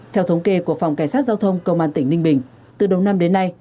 theo thống kê của phòng cảnh sát giao thông công an tỉnh ninh bình từ đầu năm đến nay